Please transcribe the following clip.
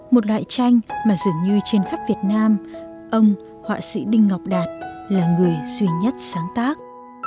một loại tranh mà dường như trên khắp việt nam ông họa sĩ đinh ngọc đạt là người duy nhất sáng tác